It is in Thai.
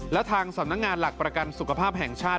และทางสำนักงานหลักประกันสุขภาพแห่งชาติ